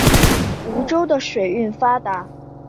梧州的水运发达。